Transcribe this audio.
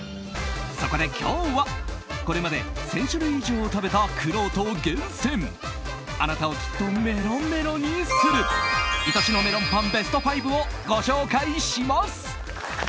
そこで今日はこれまで１０００種類以上食べたくろうと厳選あなたをきっとメロメロにする愛しのメロンパンベスト５をご紹介します。